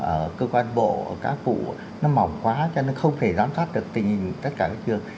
ở cơ quan bộ ở cá phụ nó mỏng quá cho nên không thể giám sát được tình hình tất cả các trường